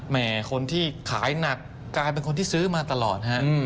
แม่คนที่ขายหนักกลายเป็นคนที่ซื้อมาตลอดฮะ